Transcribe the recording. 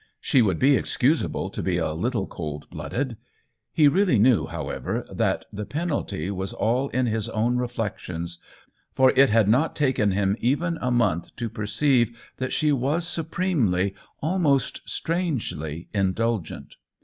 She would be excusable to be a little cold blooded. He really knew, however, that the penalty was all in his own reflections, for it had not taken him even a THE WHEEL OF TIME 65 month to perceive that she was supremely, almost strangely indulgent.